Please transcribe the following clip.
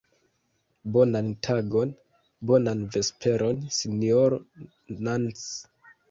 Bonan tagon, bonan vesperon, Sinjoro Nans!